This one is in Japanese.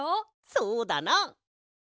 そうだな！